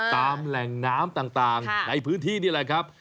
ตามแหล่งน้ำต่างในพื้นที่นี่แหละครับ